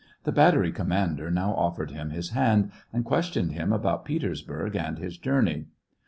The bat tery commander now offered him his hand, and questioned him about Petersburg and his journey.